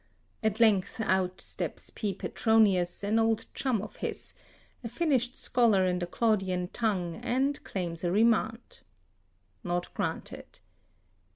At length out steps P. Petronius, an old chum of his, a finished scholar in the Claudian tongue and claims a remand. Not granted.